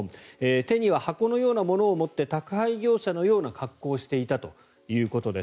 手には箱のようなものを持って宅配業者のような格好をしていたということです。